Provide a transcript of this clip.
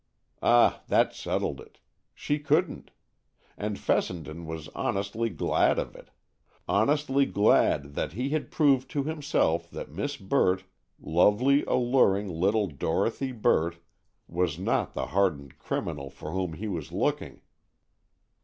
Ah, that settled it! She couldn't. And Fessenden was honestly glad of it. Honestly glad that he had proved to himself that Miss Burt—lovely, alluring little Dorothy Burt—was not the hardened criminal for whom he was looking!